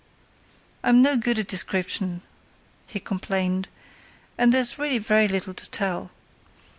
"I'm no good at description," he complained; "and there's really very little to tell.